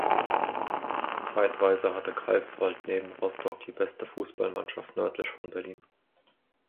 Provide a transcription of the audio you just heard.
Zeitweise hatte Greifswald neben Rostock die beste Fußballmannschaft nördlich von Berlin.